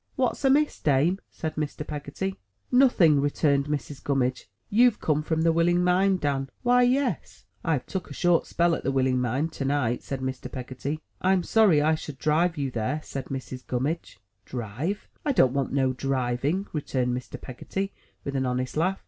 "What's amiss, dame?" said Mr. Peggotty. "Nothing," returned Mrs. Gummidge. "You've come from The Willing Mind, Dan'l?" "Why yes, I've took a short spell at The Willing Mind to night," said Mr. Peggotty. "I'm sorry I should drive you there," said Mrs. Gummidge. "Drive! I don't want no driving," returned Mr. Peggotty, with an honest laugh.